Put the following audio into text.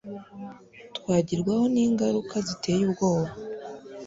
twagerwaho n'ingaruka ziteye ubwoba